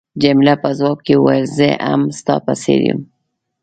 جميله په ځواب کې وویل، زه هم ستا په څېر یم.